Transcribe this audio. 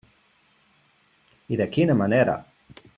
I de quina manera!